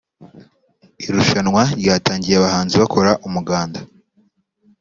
Irushanwa ryatangiye abahanzi bakora umuganda